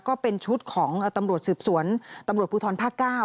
ก็เป็นชุดของตำรวจสืบสวนตำรวจภูทรภาค๙